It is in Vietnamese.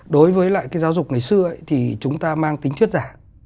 đối với lại cái giáo dục ngày xưa thì chúng ta mang tính thuyết giảng